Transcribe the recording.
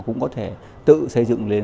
cũng có thể tự xây dựng lên